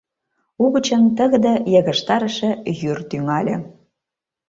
Угычын тыгыде йыгыжтарыше йӱр тӱҥале.